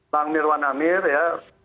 bang nirwan amir ya